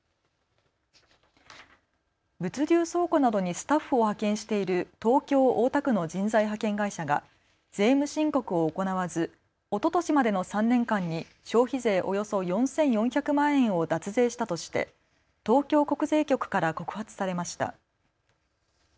物流倉庫などにスタッフを派遣している東京大田区の人材派遣会社が税務申告を行わずおととしまでの３年間に消費税およそ４４００万円を脱税したとして東京国税局から告発されました。